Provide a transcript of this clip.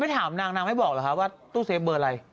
ไม่ถามนางน้าไม่บอกเหรอว่าตู้เซฟเบอร์ไร